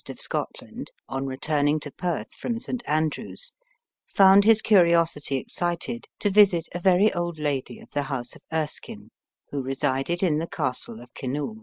(of Scotland), on returning to Perth from St. Andrews, found his curiosity excited to visit a very old lady of the house of Erskine, who resided in the Castle of Kinnoul.